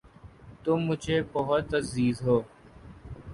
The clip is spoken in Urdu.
تم مجھے بہت عزیز ہو